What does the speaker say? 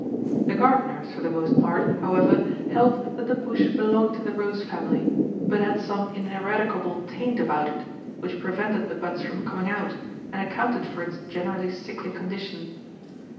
The gardeners, for the most part, however, held that the bush belonged to the rose family, but had some ineradicable taint about it, which prevented the buds from coming out, and accounted for its generally sickly condition.